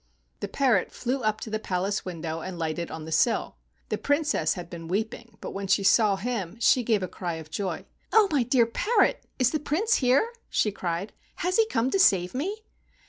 The parrot flew up to the palace window and lighted on the sill. The Princess had been weep¬ ing, but when she saw him she gave a cry of joy. "Oh, my dear parrot, is the Prince here ?" she cried. "Has he come to save me